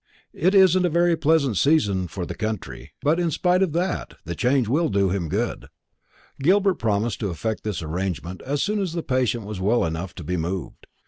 It isn't a very pleasant season for the country; but in spite of that, the change will do him good." Gilbert promised to effect this arrangement, as soon as the patient was well enough to be moved.